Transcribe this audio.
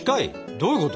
どういうこと？